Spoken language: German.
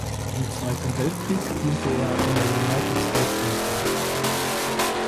Im Zweiten Weltkrieg diente er in der United States Air Force.